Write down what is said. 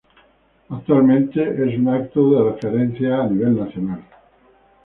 Actualmente es un evento de referencia a nivel nacional.